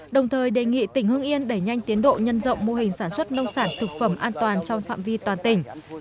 đồng thời đề nghị tỉnh hưng yên đẩy nhanh tiến độ nhân rộng mô hình sản xuất nông sản thực phẩm an toàn trong phạm vi toàn tỉnh